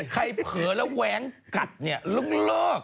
ใครเผลอแล้วแวงกัดเนี่ยลึกเลิก